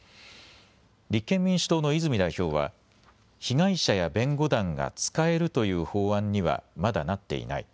立憲民主党の泉代表は被害者や弁護団が使えるという法案にはまだなっていない。